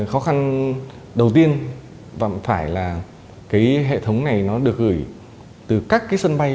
khó khăn đầu tiên và phải là hệ thống này được gửi từ các sân bay